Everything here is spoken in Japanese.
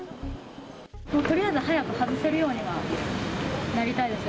とりあえず早く外せるようにはなりたいです。